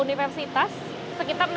inilah yogyakarta kota pelajar